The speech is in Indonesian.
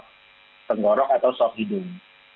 penggorok atau swab hidung